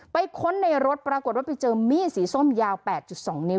ค้นในรถปรากฏว่าไปเจอมีดสีส้มยาว๘๒นิ้ว